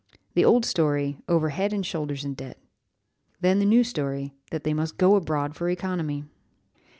The old story over head and shoulders in debt. Then the new story, that they must go abroad for economy!"